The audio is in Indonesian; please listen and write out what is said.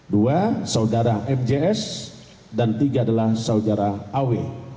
dua saudara fjs dan tiga adalah saudara aw